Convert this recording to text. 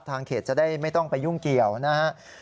เขตจะได้ไม่ต้องไปยุ่งเกี่ยวนะครับ